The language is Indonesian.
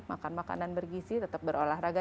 makan makanan bergisi tetap berolahraga